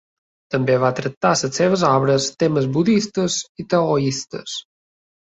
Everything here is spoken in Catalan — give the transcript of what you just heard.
També va tractar en les seves obres temes budistes i taoistes.